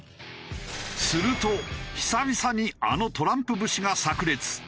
すると久々にあのトランプ節が炸裂。